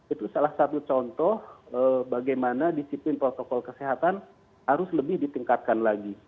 itu salah satu contoh bagaimana disiplin protokol kesehatan harus lebih ditingkatkan lagi